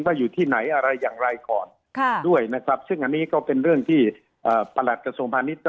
ว่าอยู่ที่ไหนอะไรอย่างไรก่อนด้วยนะครับซึ่งอันนี้ก็เป็นเรื่องที่ประหลัดกระทรวงพาณิชย